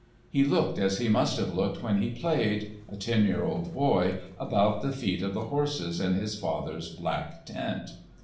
He looked as he must have looked when he played, a ten year old boy, about the feet of the horses in his father's black tent.